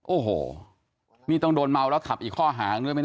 โอ้โหนี่ต้องโดนเมาแล้วขับอีกข้อหางด้วยไหมเนี่ย